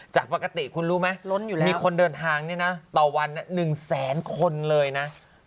จากปกติคุณรู้ไหมมีคนเดินทางเนี่ยนะต่อวัน๑แสนคนเลยนะ